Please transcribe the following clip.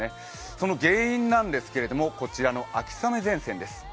その原因なんですが、こちらの秋雨前線です。